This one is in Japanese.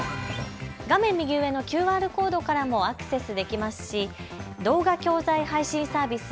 画面右上のＱＲコードからもアクセスできますし動画教材配信サービス